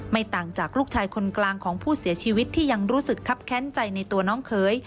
ต่างจากลูกชายคนกลางของผู้เสียชีวิตที่ยังรู้สึกครับแค้นใจในตัวน้องเขย